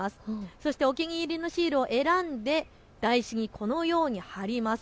そしてお気に入りのシールを選んで台紙にこのように貼ります。